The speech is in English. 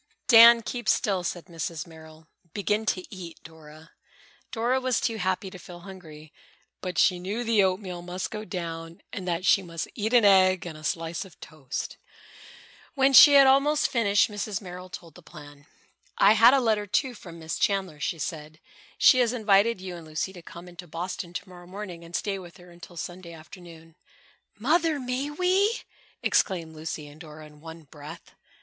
"Dan, keep still," said Mrs. Merrill. "Begin to eat, Dora." Dora was too happy to feel hungry, but she knew the oatmeal must go down and that she must eat an egg and a slice of toast. When she had almost finished, Mrs. Merrill told the plan. "I had a letter, too, from Miss Chandler," she said. "She has invited you and Lucy to come into Boston to morrow morning and stay with her until Sunday afternoon." "Mother! May we?" exclaimed Lucy and Dora in one breath.